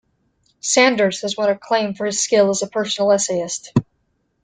Sanders has won acclaim for his skill as a personal essayist.